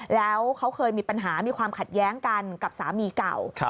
แล้วเขาเคยมีปัญหามีความขัดแย้งกันกับสามีเก่า